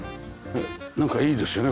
なんかいいですよね